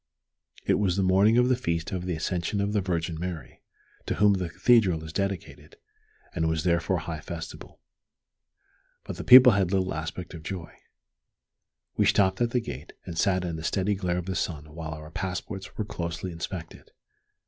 It was the morning of the Feast of the Ascension of the Virgin Mary, to whom the Cathedral is dedicated, and was therefore high festival. But the people had little aspect of joy. We stopped at the gate, and sat in the steady glare of the sun while our passports were closely inspected.